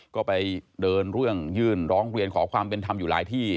ก็ไปเดินเรื่องยื่นร้องเรียนขอความเป็นธรรมอยู่หลายที่